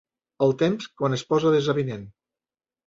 El temps quan es posa desavinent.